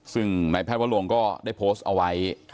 ซึ่งนายแพทย์วะลงก็ได้โพสต์เอาไว้